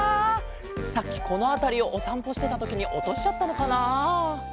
さっきこのあたりをおさんぽしてたときにおとしちゃったのかな。